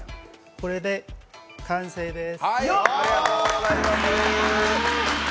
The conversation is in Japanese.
これで完成です。